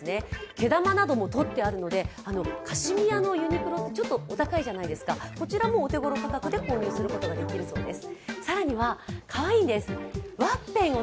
毛玉などもとってあるので、カシミヤってユニクロってお高いじゃないですかこちらもお手ごろ価格で購入できるそうです。